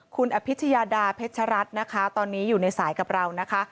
คุณอภิชยาดาเพชรัตน์นะคะตอนนี้อยู่ในสายกับเรานะคะ